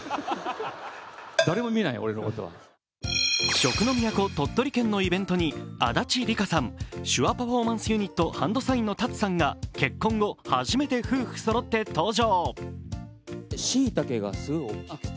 食の都・鳥取県のイベントに足立梨花さん、手話パフォーマンスユニットＨＡＮＤＳＩＧＮのＴＡＴＳＵさんが結婚後、初めて夫婦そろって登場。